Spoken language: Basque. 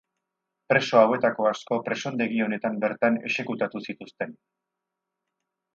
Preso hauetako asko presondegi honetan bertan exekutatu zituzten.